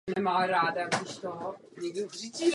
Ve štítu jsou dvě okna.